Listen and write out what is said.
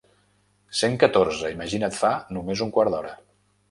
Cent catorze imaginat fa només un quart d'hora.